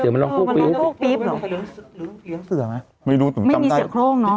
เสือมันร้องโหกปี๊บหรือเลี้ยงเสือไหมไม่รู้ผมจำได้ไม่มีเสือโคร่งเนอะ